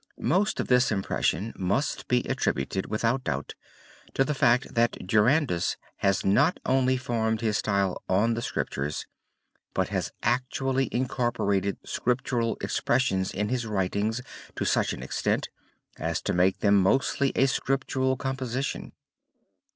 Most of this impression must be attributed without doubt to the fact, that Durandus has not only formed his style on the Scriptures, but has actually incorporated Scriptural expressions in his writings to such an extent as to make them mostly a scriptural composition.